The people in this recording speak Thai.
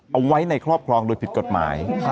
เอาไว้ในครอบครองโดยผิดกฎหมาย